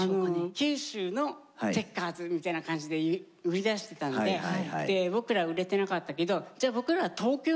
「九州のチェッカーズ」みたいな感じで売り出してたんで僕ら売れてなかったけどじゃあ僕らは東京にしようって。